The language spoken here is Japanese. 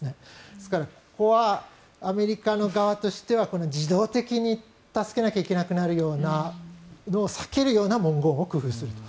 ですから、ここはアメリカ側としては自動的に助けなきゃいけなくなるようなのを避けるような文言を工夫すると。